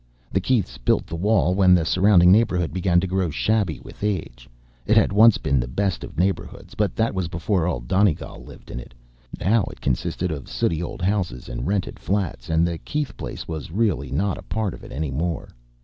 The Keiths built the wall when the surrounding neighborhood began to grow shabby with age. It had once been the best of neighborhoods, but that was before Old Donegal lived in it. Now it consisted of sooty old houses and rented flats, and the Keith place was really not a part of it anymore.